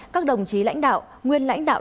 các đồng chí lãnh đạo nguyên lãnh đạo